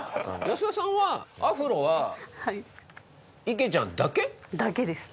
安田さんはアフロは池ちゃんだけ？だけです。